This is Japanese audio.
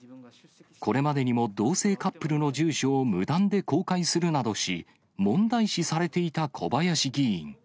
これまでにも同性カップルの住所を無断で公開するなどし、問題視されていた小林議員。